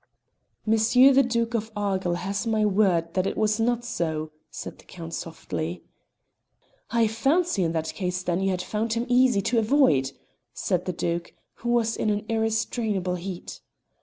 "Monsieur the Duke of Argyll has my word that it was not so," said the Count softly. "I fancy in that case, then, you had found him easy to avoid," said the Duke, who was in an ir restrainable heat.